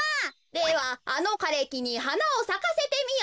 「ではあのかれきにはなをさかせてみよ」。